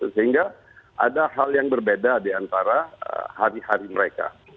sehingga ada hal yang berbeda di antara hari hari mereka